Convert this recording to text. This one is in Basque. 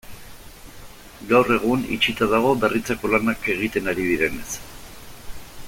Gaur egun, itxita dago, berritzeko lanak egiten ari direnez.